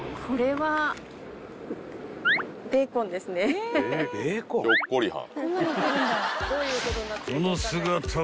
はいひょっこりはん。